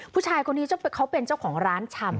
ผู้ชายคนนี้เขาเป็นเจ้าของร้านชำ